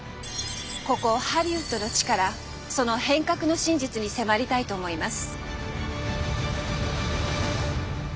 ここハリウッドの地からその変革の真実に迫りたいと思います。